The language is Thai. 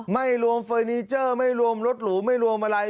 ไม่รวมเฟอร์นิเจอร์ไม่รวมรถหรูไม่รวมอะไร